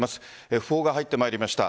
訃報が入ってまいりました。